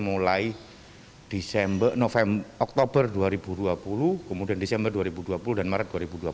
mulai oktober dua ribu dua puluh kemudian desember dua ribu dua puluh dan maret dua ribu dua puluh